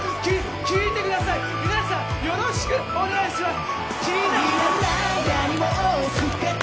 聴いてください、皆さん、よろしくお願いします。